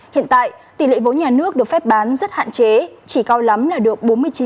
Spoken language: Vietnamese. hiện tại tỷ lệ vốn nhà nước được phép bán rất hạn chế chỉ cao lắm là được bốn mươi chín